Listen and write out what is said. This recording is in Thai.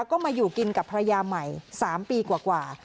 ก็มาอยู่กินกับภรรยาใหม่๓ปีกว่า